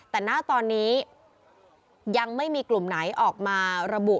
แต่ณตอนนี้ยังไม่มีกลุ่มไหนออกมาระบุ